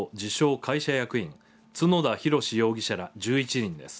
会社役員角田弘容疑者ら１１人です。